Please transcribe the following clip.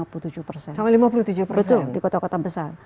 betul di kota kota besar